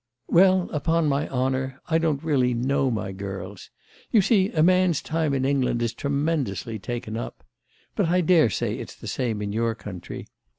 "Well, upon my honour I don't really know my girls. You see a man's time in England is tremendously taken up; but I daresay it's the same in your country.